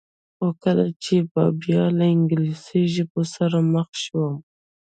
خو کله چې به بیا له انګلیسي ژبو سره مخ شوم.